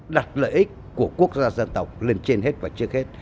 đặt lợi ích của quốc gia dân tộc lên trên hết và trước hết